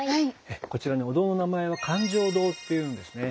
こちらお堂の名前は灌頂堂って言うんですね。